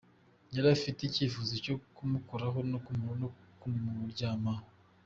Yari afite icyifuzo cyo kumukoraho no kumuryamaho.